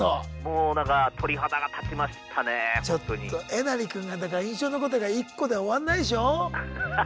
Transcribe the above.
えなり君がだから印象に残ってる回１個で終わんないでしょう？